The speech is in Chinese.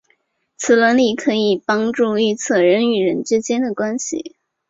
此理论可以帮助预测人与人之间的关系。